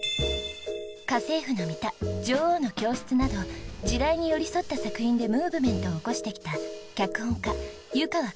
『家政婦のミタ』『女王の教室』など時代に寄り添った作品でムーブメントを起こしてきた脚本家遊川